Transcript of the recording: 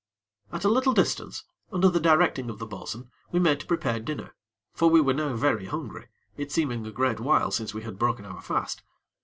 At a little distance, under the directing of the bo'sun, we made to prepare dinner, for we were now very hungry, it seeming a great while since we had broken our fast.